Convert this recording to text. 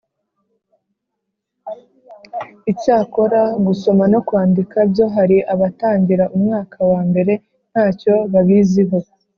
icyakora gusoma no kwandika byo hari abatangira umwaka wa mbere nta cyo babiziho;